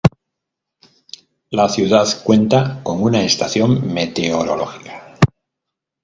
La ciudad cuenta con una estación meteorológica.